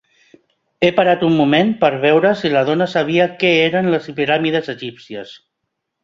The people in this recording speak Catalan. He parat un moment per veure si la dona sabia què eren les piràmides egípcies.